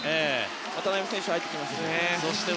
渡邊選手が入ってきました。